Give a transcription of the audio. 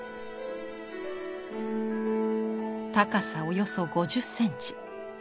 高さおよそ５０センチ。